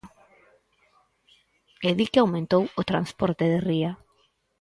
E di que aumentou o transporte de ría.